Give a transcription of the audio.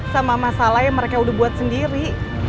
sama masalah yang mereka udah buat sendiri